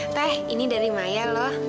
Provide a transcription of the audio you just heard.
teh ini dari maya loh